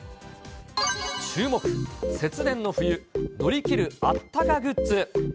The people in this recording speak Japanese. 注目、節電の冬、乗り切るあったかグッズ。